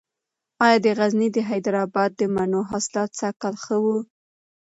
ایا د غزني د حیدر اباد د مڼو حاصلات سږکال ښه و؟